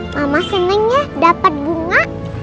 mama senangnya dapat bunga